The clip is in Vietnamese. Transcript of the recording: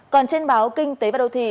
còn trên báo kinh tế và đô thị